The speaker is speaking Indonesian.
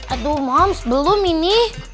aduh mams belum ini